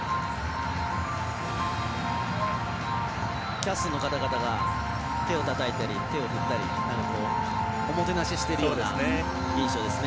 キャストの方々が手を振ったりおもてなししているような印象ですね。